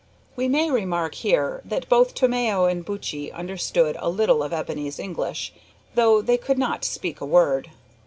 We may remark here that both Tomeo and Buttchee understood a little of Ebony's English, though they could not speak a word.